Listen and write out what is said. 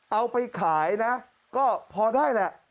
เอาไปขายนะก็พอได้แหละ